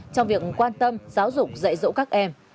trong việc quan tâm giáo dục dạy dỗ các em